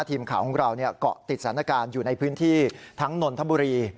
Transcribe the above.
ทีมข่าวของเราเกาะติดสถานการณ์อยู่ในพื้นที่ทั้งนนทบุรี